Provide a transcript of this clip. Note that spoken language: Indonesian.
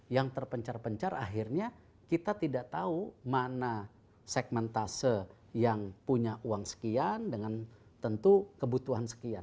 yang terpencar pencar akhirnya kita tidak tahu mana segmen tase yang punya uang sekian dengan tentu kebutuhan sekian